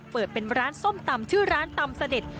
เปิดเป็นร้านส้มตำชื่อร้านตำเสด็จ